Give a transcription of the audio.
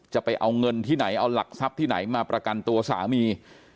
จะเอาเงินที่ไหนเอาหลักทรัพย์ที่ไหนมาประกันตัวสามี